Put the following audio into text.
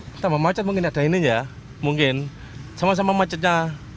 pertama macet mungkin ada ini ya mungkin sama sama macetnya